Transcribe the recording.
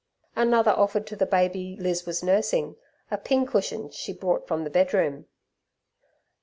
Another offered to the baby Liz was nursing a pincushion she brought from the bedroom.